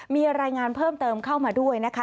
มีรายงานเพิ่มเติมเข้ามาด้วยนะคะ